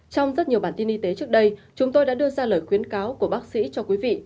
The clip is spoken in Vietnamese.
trong rất nhiều bản tin y tế trước đây chúng tôi đã đưa ra lời khuyến cáo của bác sĩ cho quý vị